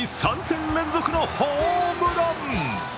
３戦連続のホームラン。